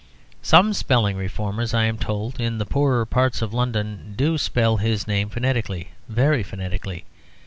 Some spelling reformers, I am told, in the poorer parts of London do spell his name phonetically, very phonetically.